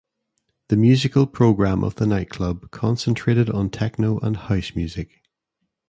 The musical program of the nightclub concentrated on techno and house music.